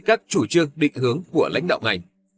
các chủ trương định hướng của lãnh đạo ngành